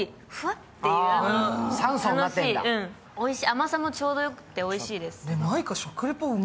甘さもちょうどよくて、おいしいです。